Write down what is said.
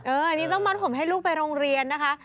อันนี้ต้องมัดผมให้ลูกไปโรงเรียนนะคะ